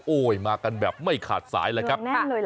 มากันแบบไม่ขาดสายเลยครับ